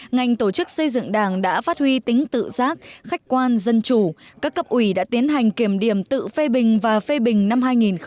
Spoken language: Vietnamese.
ngành tổ chức xây dựng đảng đã phát huy tính tự giác khách quan dân chủ các cấp ủy đã tiến hành kiểm điểm tự phê bình và phê bình năm hai nghìn một mươi chín